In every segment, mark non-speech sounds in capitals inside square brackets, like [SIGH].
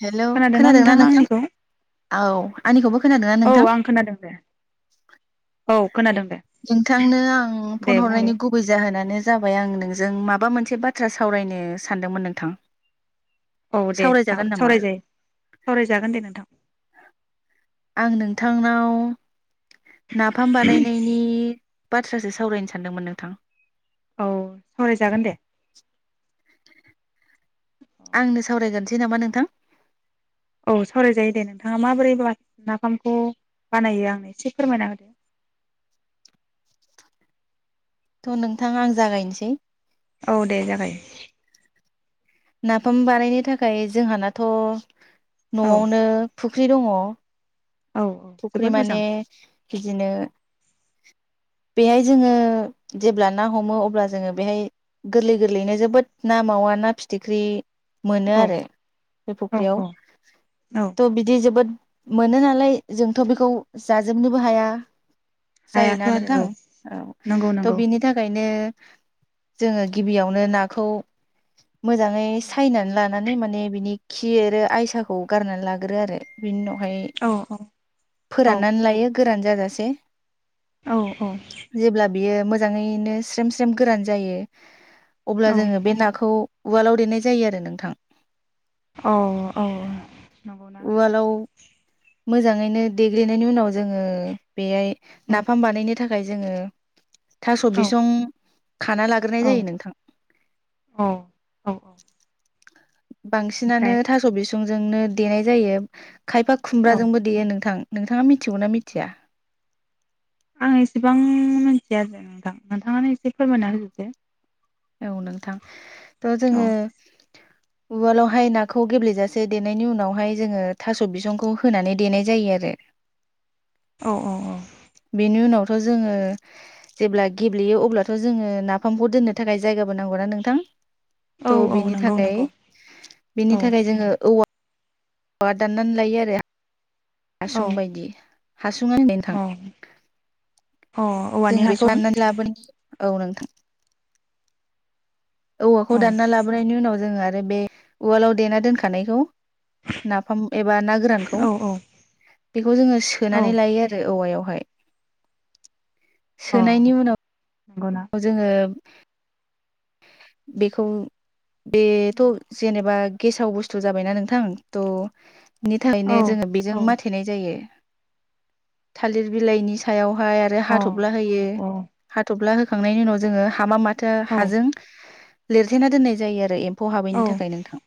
Hello खोनादोंना नोंथाङा नोंथां? आंनिखौ औ आंनि खौबो खोनादोंना औ नोंथां आं खोनादों दे औ खोनादों दे नोंथांनो आं दे फन बुंलाय हरनायनि गुबै जाहोनानो जाबाय आं नोंजों माबा मोनसे बाथ्रा सावरायनो सानदोंमोन नोंथां । औ दे । साव-सावरायजायो सावरायजागोन दे नोंथां । आं नोंथांनाव नाफाम बानायनायनि बाथ्रासो सावरायनो सानदोंमोन नोंथां । औ सावरायजागोन दे । आंनो सावरायग्रोनसै नामा नोंथां? औ सावरायजायो दे नोंथाङा माबोरै बा नाफामखौ बानायो आंनो एसे फोरमायना होदो । थ नोंथां आं जागायनोसै । औ दे जागाय । नाफाम बानायनो थाखाय जोंहानाथ औ न'आवनो फुख ख्रि दङ । औ औ फुख्रि जोबोद माने मोजां बिदिनो बेहाय जोङो जेब्ला ना हमो अब्ला जोङो बेहाय गोरलै गोरलैयैनो जोबोद ना मावा ना फिथ फिथिख्रि मोनो औ आरो बे औ फुख्रियाव औ औ ट बिदि जोबोद मोनो नालाय जोंथ बेखौ जाजोबनोबो हाया । हायाथ' जायोना आरो नोंथां औ नंगौ थ नंगौ बिनि थाखायनो जोङो गिबियावनो नाखौ मोजाङै सायनानै लाना नै माने बिनि खि आरो आयसाखौ गारनानै लाग्रो आरो बिनि उनाव उनावहाय औ औ फोराननानै लायो । गोरान जाजासे जेब्ला बियो मोजाङैनो स्रेम स्रेम गोरान जायो । अब्ला औ जोङो बे नाखौ उवालाव देनाय जायो आरो नोंथां । औ औ नंगौना? उवालाव मोजाङैनो देग्लिनायनि उनाव जोङो बेहाय औ नाफाम बानायनो थाख खाय जोङो थास' औ बिसं खाना लाग्रोनाय औ जायो नोंथां । औ औ औ बांसिनानो ओमफ्राय थास' बिसं [UNINTELLIGIBLE] देनाय जायो खायफा औ खुमब्राजोंबो देयो नोंथां नोंथाङा मिथिगौ नना मिथिया? आं एसेबां मिथिया [UNINTELLIGIBLE] नोंथां नोंथाङानो एसे फोरमायना होजोबदो। औ नोंथां थ' औ जोङो उवालावहाय नाखौ गेब्लेेजासे देनायनि उनावहाय जोङो थास' बिसंखौ होनानै देनाय जायो आरो। औ औ औ बेनि उनावथ' जोङो जेब्ला गेब्लेयो अब्लाथ' जोङो नाफामखौ दोननो थाख औ थ' औ बेनि नंगौ थाखाय नंगौ औ बेनि थाखाय जोङो औवा औवा दान्ना लायो आरो औ हासुं बायदि औ [UNINTELLIGIBLE] अ जों औवानि बेखौ हासुं [UNINTELLIGIBLE] औ नोंथां औवाखौ औ दानना लाबोनायनि उनाव जोङो बे उवालाव देना दोनखानायखौ नाफाम एबा ना गोरानखौ औ औ बेखौ जोङो औ सोनानै लायो आरो औवायावहाय। अ सोनायनि नंगौना उनाव जोङो बेखौ बेथ' जेनेबा गेसाव बुस्थु जाबायना नोंथां त' नि औ थाखायनो जोङो बेजों अ माथेनाय जायो। थालिर बिलाइनि सायाव फाय आरो औ हाथबला होयो औ हा थथफ्ला हो खांनायनि उनाव जोङो हामा माथो औ आजों लिरथेना दोननाय जायो आरो एम फौ औ हाबैनि थाखाय नोंथां ।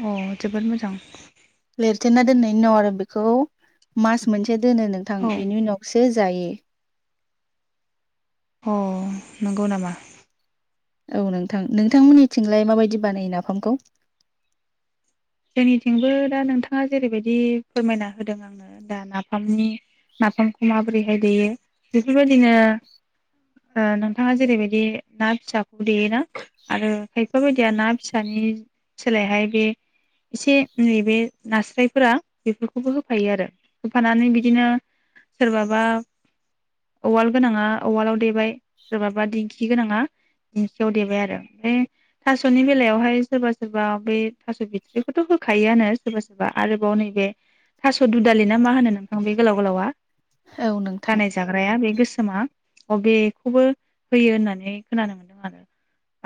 अ जोबोद मोजां। लिरथेना दोननायनि उनाव औ आरो बेखौ मास मोनसे [UNINTELLIGIBLE] दोनो नोंथां बिनि उनावसो जो जायो अ नंगौ नामा औ नोंथां नोंथांमोननिथिंलाय माबायदि बानायो नाफामखौ जोंनिथिंबो दा नोंथाङा जेरैबायदि फोरमायना होदों आंनो दा नाफामनि नामामखौ मा बोरैहायदि फोरबायदिनो ओ नोंथाङा जेरैबायदि ना फिसाखौ देयोना आरो खायफा बाय [UNINTELLIGIBLE] ना फिसानि सोलायहाय बे इसे नैबे नास्रायफोरा बेफोरखौबो होफायो आरो होफानानै बिदिनो सोरबाबा उवाल गोनाङा उवालाव देबाय सोरबाबा दिंखि गोनाङा दिंखियाव देबाय आरो ओमफ्राय थासनि बेलायावहाय सोरबा सोरबा बे थास बिथ बेखौथ होखायोआनो सोरबा सोरबा आरोबाव नैबे थास दुदालि ना मा होनो नोंथां बे गोलाव गोलावा औ नोंथां दानाय जाग्राया बे गोसोमा अबेखौबो होयो होननानै खोनानो मोनदों आरो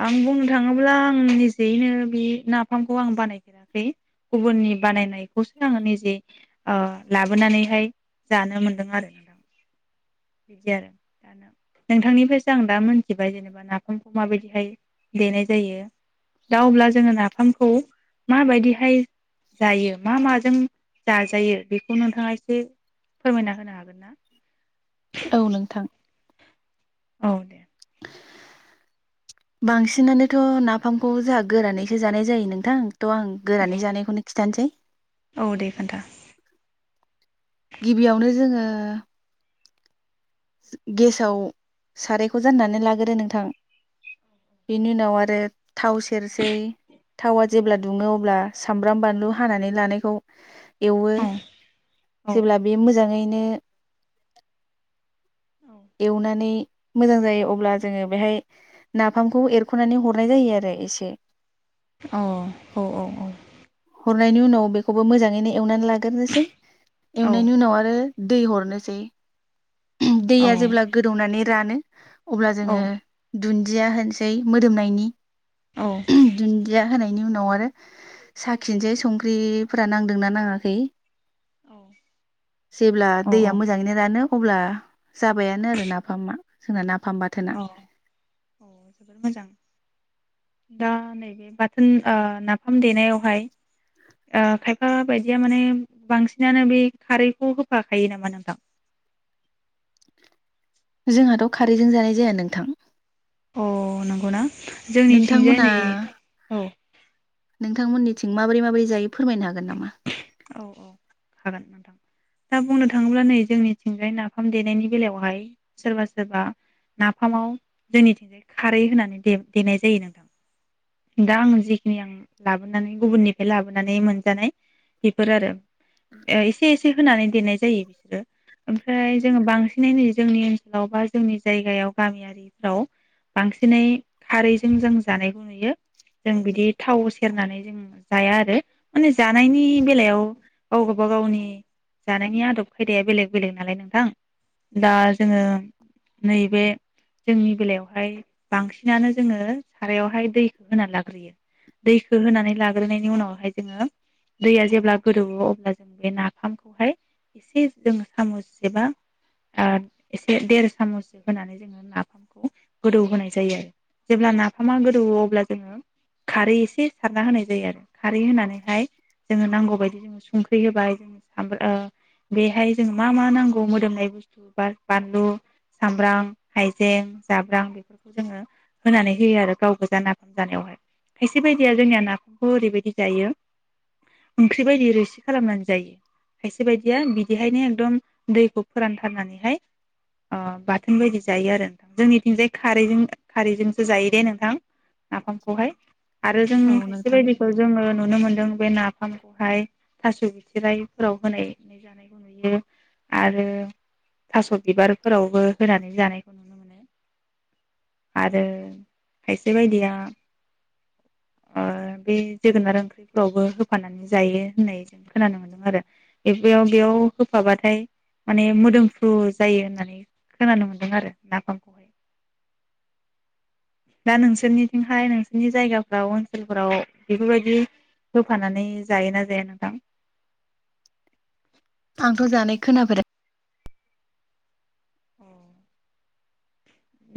आं बुंनो थाङोब्ला आं निजेयैनो बे नाफामखौ आं बानाय [UNINTELLIGIBLE] गुबुननि बानायनायखौसो आङो निजे ओ लाबोनानैहाय जानो मोनदों आरो [UNINTELLIGIBLE] नोंथांनिफायसो आं दा मोनथिबाय जेनेबा नाफामखौ माबायदिहाय देनाय जायो दा अब्ला जोङो नाफामखौ माबायदिहाय जायो मा माजों जाजायो बेखौ नोंथाङा इसे फोरमायना होनो हागोन ना औ नोंथां औ दे बांसिनानोथ नाफामखौ जाहा गोरानैसो जानाय जायो नोंथां त आं गोरानै जानायखौनो खिथानोसै औ दे खोन्था गिबियावनो जोङो गेसाव सारायखौ जाननानै लाग्रो नोंथां बेनि उनाव आरो थाव सेरसै थावा जेब्ला दुङो अब्ला सामब्राम बानलु हानानै लानायखौ एवो औ औ जेब्ला बे मोजाङै नो औ मोजां जायो अब्ला जोङो बेहाय नाफामखौ एरखनानै हरनाय जायो आरो एसे अ औ औ औ हरनायनि उनाव बेखौबो मोजाङैनो एवनानै लाग्रोसै औ एवनायनि उनाव आरो दै हरनोसै औ दैया जेब्ला गोदौनानै रानो अब्ला जोङो औ दुन्दिया होनसै मोदोमनायनि औ दुनदिया होनायनि उनाव आरो साखिसै संख्रिफोरा नांदोंना नाङाखै औ जेब्ला औ दैया मोजाङैनो रानो अब्ला जाबायानो आरो नाफामा जोंना नाफाम बाथोना औ अ जोबोर मोजां दा नैबे बाथोन ओ नाफाम देनायावहाय खायफा बायदिया माने बांसिनानो बे खारैखौ होफाखायो नामा नोंथां? जोंहाथ' खारैजों जानाय जाया नोंथां अ नंगौना? जोंनिथिंजाय नोंथांमोना नै औ नोंथांमोननिथिं माबोरै माबोरै जायो फोरमायनो हागोन नामा औ औ हागोन नोंथां दा बुंनो थाङोब्ला नै जोंनिथिंजाय नाफाम देनायनि बेलायावहाय सोरबा सोरबा नाफामाव जोंनिथिंजाय खारै होनानै देनाय जायो नोंथां दा आं जिखिनि आं लाबोनानै गुबुननिफ्राय लाबोनानै मोनजानाय बेफोर आरो एसे एसे होनानै देनाय जायो बिसोरो ओमफ्राय जोङो बांसिनै नुयो जोंनि ओनसोलाव बा जोंनि जायगायाव गामियारिफ्राव बांसिनै खारैजों जों जानायखौ नुयो जों बिदि थाव सेरनानै जों जाया आरो माने जानायनि बेलायाव गाव गब गावनि जानायनि आदब खायदाया बेलेग बेलेग नालाय नोंथां दा जोङो नैबे जोंनि बेलायावहाय बांसिनानो जोङो सारायावहाय दैखौ होनानै लाग्रोयो दैखौ होनानै लाग्रोनायनि उनावहाय जोङो दैया जे जेब्ला गोदौ अब्ला जों बे नाफामखौ हाय ऐसे जों सामुसे एबा ऐसे देर सामुस होनानै जोंङो नाफामखौ गोदौ होनाय जायो आरो जेब्ला नाफामा गोदौयो अब्ला जोंङो खारै ऐसे सारना होनाय ज खानै जांग जे बेदि ज संख्रि होबाय जों सामब्राम बेहाय जों मा मा नांगौ मोदोमनाय बुस्थु बा बानलु सामब्राम हाइजें जाब्रां बेफोरखौ जोङो होनानै होयो आरो गाव गोजा नाफाम जानायावहाय खायसे बायदिया जोंनिया नाफामखौ ओरैबायदि जायो ओंख्रि बायदि रोसि खालामनानै जायो खायसे बायदिया बिदिहायनो एकदम दैखौ फोरानथारनानैहाय बाथोन बायदि जायो आरो नोंथां जोंनिथिंजाय खारैजों खारैजोंसो जायो दे नोंथां नाफामखौहाय आरो जों औ खायसे नोंथां बायदिखौ जोङो नुनो मोनदों बे ना- नाफामखौहाय थास' बिथिराइफोराव होनाय जानायखौ नुयो आरो थास' बिबारफोरावबो होनानै जानायखौ नुनो मोनो आरो खायसे बायदिया बे जोगोनार ओंख्रिफोरावबो होफानानै जायो होननाय जों खोनानो मोनदों आरो बेयाव बेयाव होफाबाथाय माने मोदोमफ्रु जायो होननानै खोनानो मोनदों आरो नाफामखौहाय दा नोंसोरनिथिंहाय नोंसोरनि जायगाफोराव ओनसोलफोराव बेफोरबायदि होफानानै जायोना जाया नोंथां? आंथ' जानाय खोनाफे- अ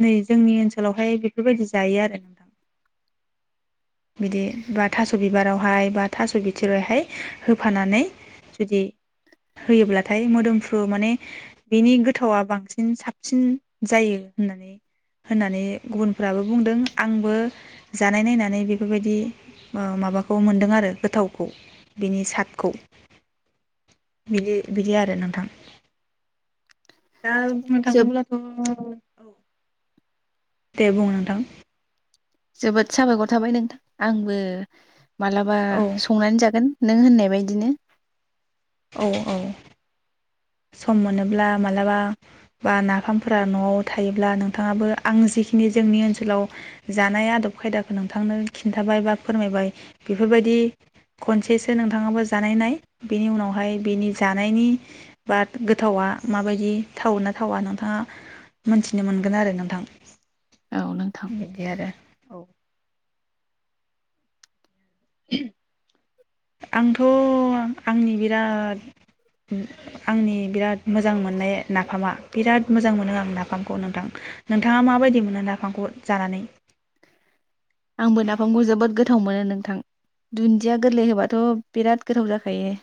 नै जोंनि ओनसोलावहाय बेफोरबायदि जायो आरो नोंथां बिदि बा थास' बिबारावहाय बा थास' बिथोरावहाय होफानानै जुदि होयोब्लाथाय मोदोमफ्रु माने बिनि गोथावा बांसिन साबसिन जायो होननानै होननानै गुबुनफ्राबो बुंदों आंबो जानाय नायनानै बे बेफोरबायदि माबाखौ मोनदों आरो गोथावखौ बिनि साटखौ बिदि बिदि आरो नोंथां दा बुंनो थाङोब्लाथ' औ दे बुं नोंथां जोबोद साबायखर थाबाय नोंथां आंबो मालाबा औ संनानै जागोन नों होननाय बायदिनो औ औ सम मोनोब्ला मालाबा बा नाफामफोरा न'आव थायोब्ला नोंथाङाबो आं जिखिनि जोंनि ओनसोलाव जानाय आदब खायदाखौ नोंथांनो खिन्थाबाय बा फोरमायबाय बेफोरबायदि खनसेसो नोंथाङाबो जानाय नाय बेनि उनावहाय बेनि जानायनि बाट गोथावा माबायदि थावो ना थावा नोंथाङा मोनथिनो मोनगोन आरो नोंथां औ नोंथां बिदि आरो औ आंथ' आंनि बिराद आंनि बिराद मोजां मोननाय नाफामा बिराद मोजां मोनो आं नाफामखौ नोंथां नोंथाङा माबायदि मोनो नाफामखौ जानानै आंबो नाफामखौ जोबोद गो गोथाव मोनो नोंथां दुन्दिया गोरलै होबाथ' बिराद गोथाव जाखायो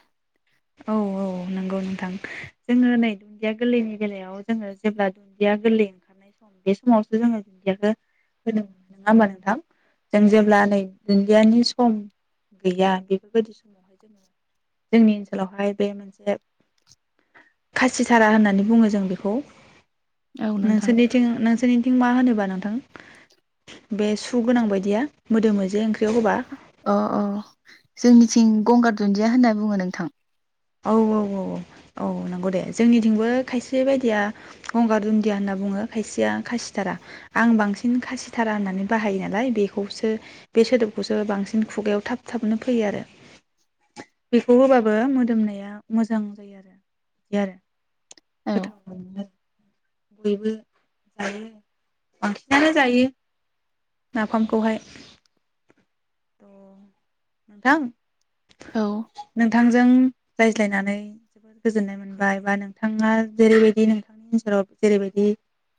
औ औ नंगौ नोंथां जोङो नै दुन्दिया गोरलैनि बेलायाव जोङो जेब्ला दुन्दिया गोरलै ओंखारनाय सम बे समावसो जोङो दुन्दियाखौ होनो मोन नङा होमबा नोंथां जों जेब्ला नै दुन्दियानि सम गैया बेफोरबायदि समावहाय जोङो जोंनि ओन आनोलावहाय बे मोनसे खासिधारा होननानै बुङो जों बेखौ औ नोंथां नोंसोरनिथिं नोंसोर मा होनोबा नोंथां बे सु गोनां बायदिया मोदोम मोजे ओं अ अ जोंनि सिं गंगार दुन्दिया होनना बुङो नोंथां औ औ औ औ नंगौ दे जोंनिथिंबो खायसे बायदिया गंगार दुन्दिया होनना बुङो खायसेया खासिथारा आं बांसिन खासिथारा होननानै बाहायो नालाय बेखौसो बे सोदोबखौसो बांसिन खुगायाव थाब थाबनो फैयो आरो बेखौ होबाबो मोदोमनाय जाया मोजां जायो आरो बिदि आरो औ गोथाव मोनो बयबो जायो बांसिनानो जायो नाफामखौहाय अ नोंथां औ नोंथांजों रायज्लायनानै जोबोर गोजोननाय मोनबाय बा नोंथाङा जेरैबायदि नोंथांनि ओनसोलाव जेरैबायदि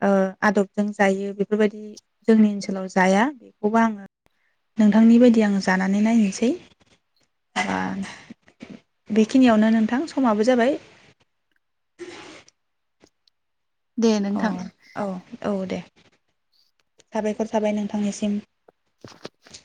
ओ आदबजों जायो बेफोरबायदि जोंनि ओनसोलाव जाया बेखौबो आङो नोंथ थांनि बायदि आङो जानानै नायहैनिसै बा बेखिनियावनो नोंथां समाबो जाबाय। दे अ नोंथां औ औ दे साबायखर थाबाय नोंथांनिसिम। [INAUDIBLE]